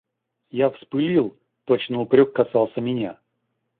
Я вспылил, точно упрек касался меня.